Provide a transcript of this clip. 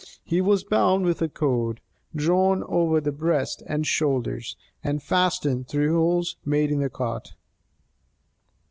He was bound with a cord, drawn over his breast and shoulders, and fastened through holes made in the cart.